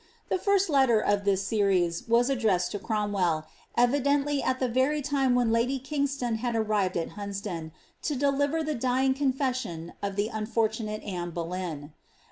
The first letter of this series was addressed to Cromwell, evidently at the very time when Lady Kingston had arrived at Hunsdon, to deliver the dying confession of the unfortunate Anne Boleyn.